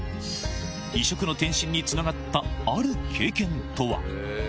異色の転身につながった、ある経験とは。